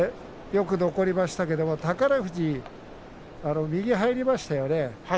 よく残りましたけども宝富士の右が入りましたね。